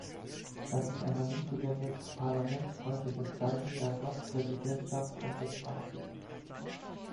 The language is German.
Das ist ein ermutigendes, parlamentsfreundliches Zeichen der Ratspräsidentschaft und des Rates.